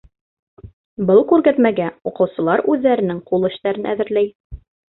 Был күргәҙмәгә уҡыусылар үҙҙәренең ҡул эштәрен әҙерләй.